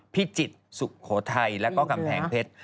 พิจิตรสุโขทัยแล้วก็กำแพงเพชร